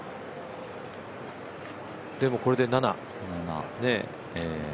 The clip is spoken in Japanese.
でもこれで７。